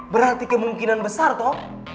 berarti kemungkinan besar toh